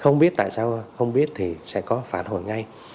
không biết tại sao không biết thì sẽ có phản hồi ngay